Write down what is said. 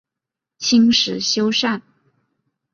清时修缮。